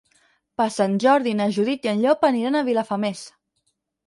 Per Sant Jordi na Judit i en Llop aniran a Vilafamés.